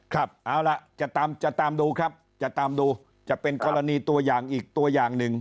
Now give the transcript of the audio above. ครับเอาล่ะจะตามจะตามดูครับจะตามดูจะเป็นกรณีตัวอย่างอีกตัวอย่างหนึ่ง